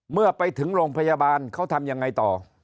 เมื่อไปถึงโรงพยาบาลเขาทำยังไงต่อ